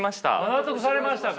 納得されましたか。